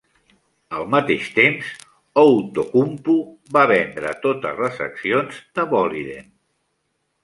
Al mateix temps, Outokumpu va vendre totes les accions de Boliden.